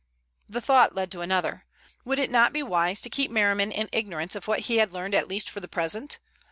The thought led to another. Would it not be wise to keep Merriman in ignorance of what he had learned at least for the present?